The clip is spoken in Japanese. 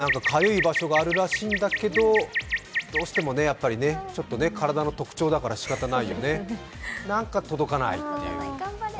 どうやら、かゆい場所があるらしいんだけど、どうしてもちょっと体の特徴だからしかたないよね、なんか届かないっていう。